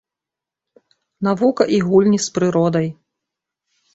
Навука і гульні з прыродай.